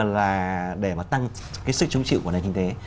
mà là để mà tăng cái sức chống chịu của nền kinh tế